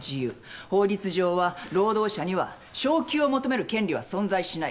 法律上は労働者には昇給を求める権利は存在しない。